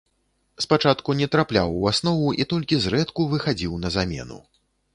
Спачатку не трапляў у аснову і толькі зрэдку выхадзіў на замену.